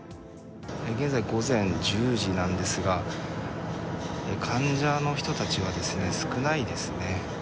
現在午前１０時なんですが患者の人たちは少ないですね。